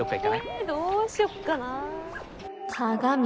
えっどうしようかな。